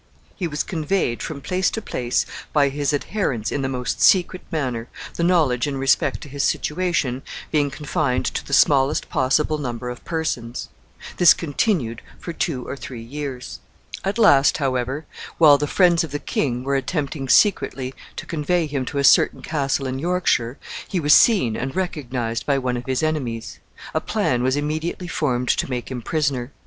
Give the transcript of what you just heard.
He was conveyed from place to place by his adherents in the most secret manner, the knowledge in respect to his situation being confined to the smallest possible number of persons. This continued for two or three years. At last, however, while the friends of the king were attempting secretly to convey him to a certain castle in Yorkshire, he was seen and recognized by one of his enemies. A plan was immediately formed to make him prisoner.